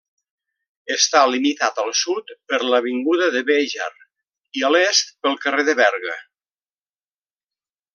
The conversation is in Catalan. Està limitat al sud per l'avinguda de Béjar i a l'est pel carrer de Berga.